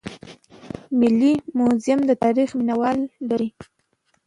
ملي موزیم د تاریخ مینه وال لري